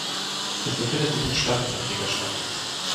Es befindet sich in staatlicher Trägerschaft.